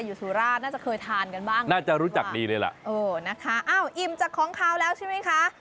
สุราชน่าจะเคยทานกันบ้างน่าจะรู้จักดีเลยล่ะเออนะคะอ้าวอิ่มจากของขาวแล้วใช่ไหมคะ